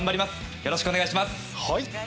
よろしくお願いします。